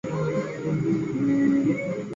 以上公交线路均由合肥公交集团开行。